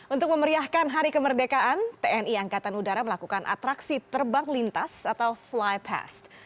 untuk memeriahkan hari kemerdekaan tni angkatan udara melakukan atraksi terbang lintas atau fly pass